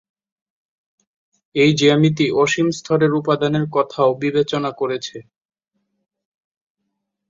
এই জ্যামিতি অসীম স্তরের উপাদানের কথাও বিবেচনা করেছে।